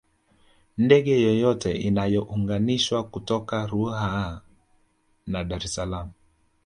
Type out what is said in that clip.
Ndege yoyote inayounganisha kutoka Ruaha na Dar es Salaam